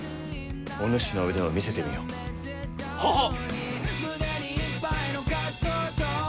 お主の腕を見せてみよ。ははっ！